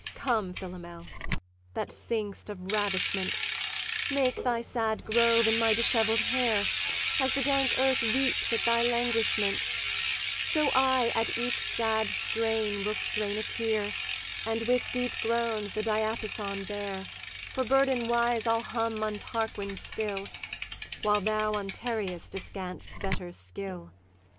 'Come, Philomel, that sing'st of ravishment, Make thy sad grove in my dishevell'd hair: As the dank earth weeps at thy languishment, So I at each sad strain will strain a tear, And with deep groans the diapason bear; For burden wise I'll hum on Tarquin still, While thou on Tereus descant'st better skill.